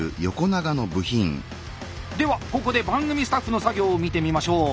ではここで番組スタッフの作業を見てみましょう。